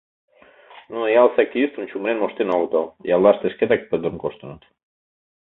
Нуно ялысе активистым чумырен моштен огытыл, яллаште шкетак пӧрдын коштыныт.